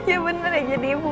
iya bener ya jadi ibu